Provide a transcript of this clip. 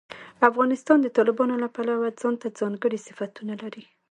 افغانستان د تالابونو له پلوه ځانته ځانګړي صفتونه لري.